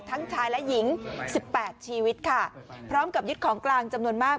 ทั้งชายและหญิงสิบแปดชีวิตค่ะพร้อมกับยึดของกลางจำนวนมาก